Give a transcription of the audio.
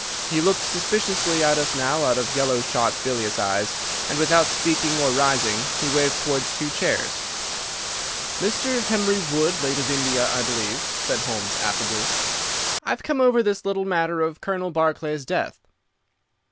He looked suspiciously at us now out of yellow shot, bilious eyes, and, without speaking or rising, he waved towards two chairs. "Mr. Henry Wood, late of India, I believe," said Holmes, affably. "I've come over this little matter of Colonel Barclay's death."